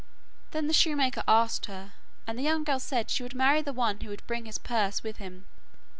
Then the shoemaker asked her, and the girl said that she would marry the one who would bring his purse with him.